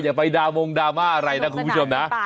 อย่าไปดาวมงดราม่าอะไรนะคุณผู้ชมนะ